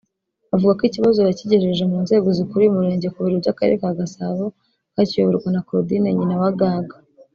Avuga ko ikibazo yakigejeje mu nzego zikuriye umurenge ku biro by’akarere ka Gasabo (kakiyoborwa na Claudine Nyinawagaga)